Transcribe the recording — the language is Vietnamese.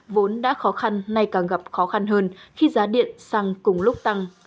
vốn đã khó khăn nay càng gặp khó khăn hơn khi giá điện xăng cùng lúc tăng